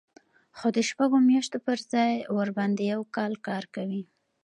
خو د شپږو میاشتو پر ځای ورباندې یو کال کار کوي